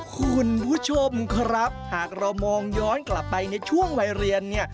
คุณผู้ชมครับหากเรามองย้อนกลับไปในช่วงวัยเรียนเนี่ย